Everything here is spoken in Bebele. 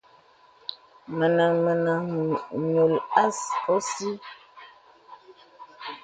Mə̀nə̀ mə̀nə̀ ǹyùl òsì.